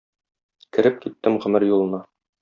Кереп киттем гомер юлына...